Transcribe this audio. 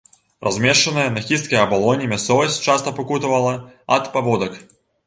Размешчаная на хісткай абалоне, мясцовасць часта пакутавала ад паводак.